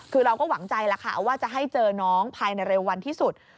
คือเราก็หวังใจแล้วค่ะว่าจะให้เจอน้องภายในเร็ววันที่สุด